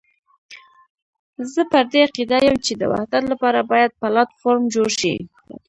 زه پر دې عقيده یم چې د وحدت لپاره باید پلاټ فورم جوړ شي.